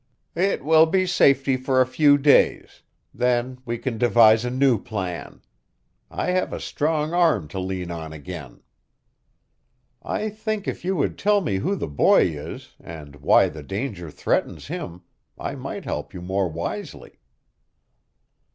"It will be safety for a few days. Then we can devise a new plan. I have a strong arm to lean on again." "I think if you would tell me who the boy is, and why the danger threatens him, I might help you more wisely."